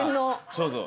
そうそう。